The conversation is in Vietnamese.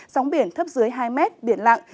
sóng biển thấp dưới hai mét biển lặng